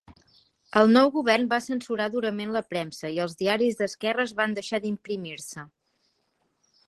El nou govern va censurar durament la premsa i els diaris d'esquerres van deixar d'imprimir-se.